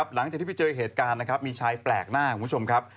หลังจากที่ไปเจอเหตุการณ์นะครับมีชายแปลกหน้าคุณผู้ชมครับ